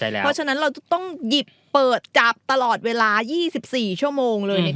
เพราะฉะนั้นเราจะต้องหยิบเปิดจับตลอดเวลา๒๔ชั่วโมงเลย